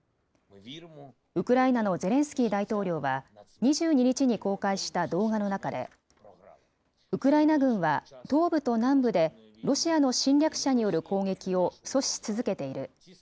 ウクライナのゼレンスキー大統領は、２２日に公開した動画の中で、ウクライナ軍は東部と南部で、ロシアの侵略者による攻撃を阻止し続けている。